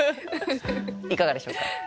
いかがでしょうか。